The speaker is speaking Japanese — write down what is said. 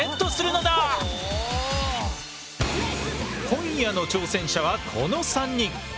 今夜の挑戦者はこの３人！